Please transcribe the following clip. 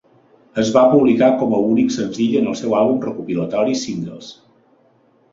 Es va publicar com a únic senzill en el seu àlbum recopilatori "Singles".